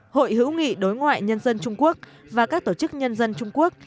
hội hữu nghị đối ngoại nhân dân trung quốc và các tổ chức nhân dân trung quốc